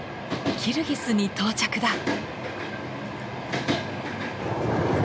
キルギスに到着だ。